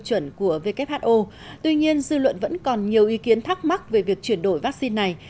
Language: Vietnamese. chuẩn của who tuy nhiên dư luận vẫn còn nhiều ý kiến thắc mắc về việc chuyển đổi vaccine này